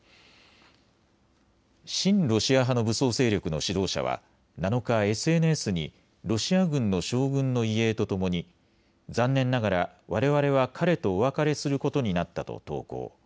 親ロシア派の武装勢力の指導者は７日、ＳＮＳにロシア軍の将軍の遺影とともに残念ながら、われわれは彼とお別れすることになったと投稿。